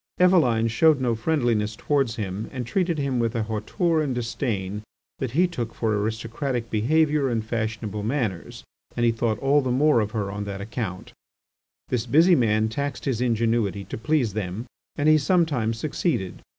Eveline showed no friendliness towards him, and treated him with a hauteur and disdain that he took for aristocratic behaviour and fashionable manners, and he thought all the more of her on that account. This busy man taxed his ingenuity to please them, and he sometimes succeeded.